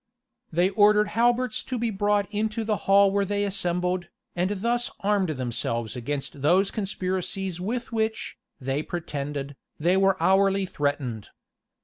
They ordered halberts to be brought into the hall where they assembled, and thus armed themselves against those conspiracies with which, they pretended, they were hourly threatened.